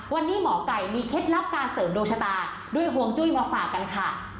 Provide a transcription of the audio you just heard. วันนี้หมอไก่มีเคล็ดลับการเสริมดวงชะตาด้วยห่วงจุ้ยมาฝากกันค่ะ